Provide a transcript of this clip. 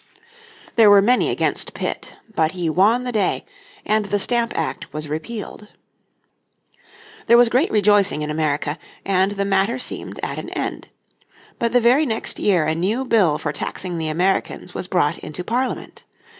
There were many against Pitt, but he won the day, and the Stamp Act was repealed. There was great rejoicing in America, and the matter seemed at an end. But the very next year a new bill for taxing the Americans was brought into Parliament.